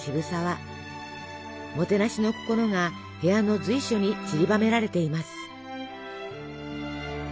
もてなしの心が部屋の随所にちりばめられています。